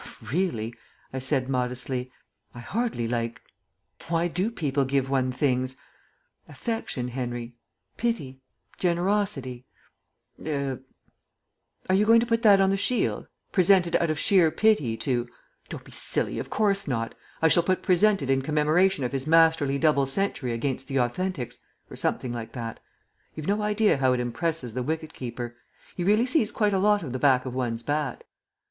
"Really," I said modestly, "I hardly like Why do people give one things? Affection, Henry; pity, generosity er " "Are you going to put that on the shield? 'Presented out of sheer pity to '" "Don't be silly; of course not. I shall put 'Presented in commemoration of his masterly double century against the Authentics,' or something like that. You've no idea how it impresses the wicket keeper. He really sees quite a lot of the back of one's bat."